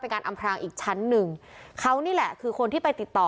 การอำพรางอีกชั้นหนึ่งเขานี่แหละคือคนที่ไปติดต่อ